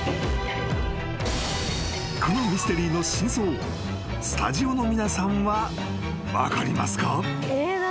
［このミステリーの真相スタジオの皆さんは分かりますか？］